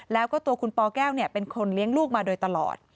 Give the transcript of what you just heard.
แล้วก็ตัวคุณปแก้วเป็นคนเลี้ยงลูกมาโดยตลอด